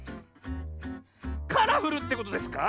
カラフルってことですか？